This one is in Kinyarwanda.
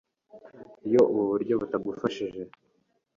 Iyo ubu buryo butagufashije